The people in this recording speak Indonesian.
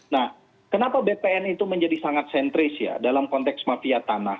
nah kenapa bpn itu menjadi sangat sentris ya dalam konteks mafia tanah